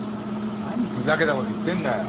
何ふざけた事言ってんだよ。